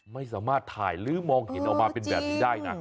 ไม่สามารถถ่ายหรือมองเห็นออกมาเป็นแบบนี้ได้นะ